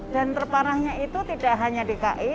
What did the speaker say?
dan terparahnya itu tidak hanya dki